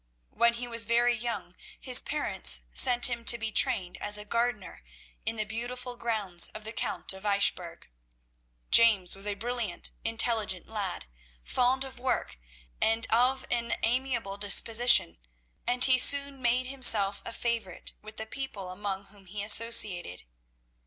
When he was very young his parents sent him to be trained as a gardener in the beautiful grounds of the Count of Eichbourg. James was a bright, intelligent lad, fond of work, and of an amiable disposition, and he soon made himself a favourite with the people among whom he associated.